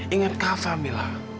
ingat kak fah mila